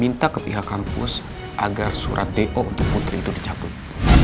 minta ke pihak kampus agar surat do untuk putri itu dicabut